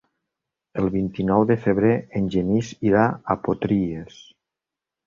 El vint-i-nou de febrer en Genís irà a Potries.